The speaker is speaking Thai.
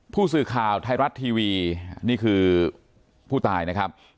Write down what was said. ผู้สื่อข่าวไทยรัฐทีวีนี่คือผู้ตายนะครับ